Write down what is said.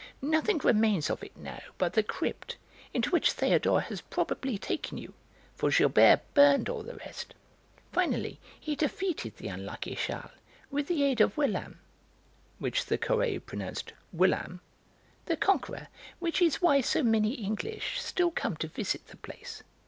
Nothing remains of it now but the crypt, into which Théodore has probably taken you, for Gilbert burned all the rest. Finally, he defeated the unlucky Charles with the aid of William" which the Curé pronounced "Will'am" "the Conqueror, which is why so many English still come to visit the place.